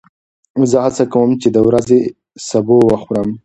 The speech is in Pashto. زه هڅه کوم چې د ورځې سبو وخورم.